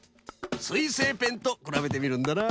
すいせいペンとくらべてみるんだな。